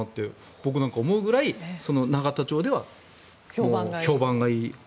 僕なんかは思うぐらい永田町では評判がいい。